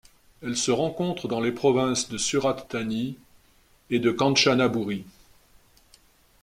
Elle se rencontre dans les provinces de Surat Thani et de Kanchanaburi.